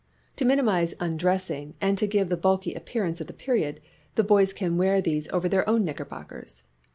To minimize undressing, and to give the bulky appearance of the period, the boys can wear these over their own knickerbockers.